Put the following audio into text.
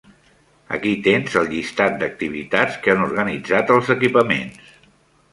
Aquí tens el llistat d'activitats que han organitzat els equipaments.